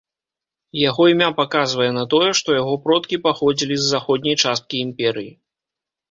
Яго імя паказвае на тое, што яго продкі паходзілі з заходняй часткі імперыі.